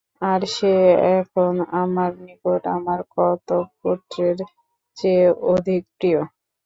আর সে এখন আমার নিকট আমার কতক পুত্রের চেয়ে অধিক প্রিয়।